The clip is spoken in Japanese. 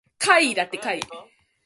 怪異